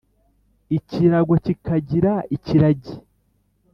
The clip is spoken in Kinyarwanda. ikirago kikangira ikiragi